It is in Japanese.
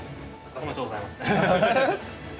ありがとうございます。